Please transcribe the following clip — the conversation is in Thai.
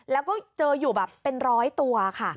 แล้วก็เจออยู่แบบเป็นร้อยตัวค่ะ